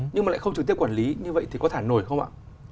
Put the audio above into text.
nhưng mà lại không trực tiếp quản lý như vậy thì có thả nổi không ạ